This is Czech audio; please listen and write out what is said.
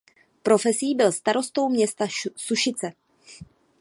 Profesí byl starostou města Sušice.